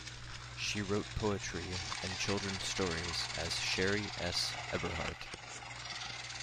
She wrote poetry and children's stories as Sheri S. Eberhart.